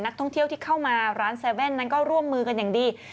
นักท่องเที่ยวที่เข้ามาร้าน๗๑๑นั้นก็ร่วมมือกันอย่างดี